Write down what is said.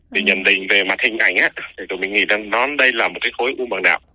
vì nhận định về mặt hình ảnh á thì tụi mình nghĩ rằng đây là một cái khối u bằng đạo